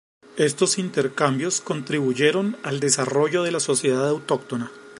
Estos intercambios contribuyeron al desarrollo de la sociedad autóctona.